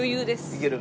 いける？